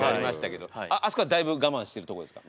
あそこはだいぶ我慢してるところですか？